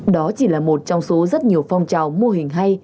đó chỉ là một trong số rất nhiều phong trào mô hình hay